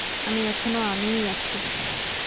আমি এখনো আমিই আছি।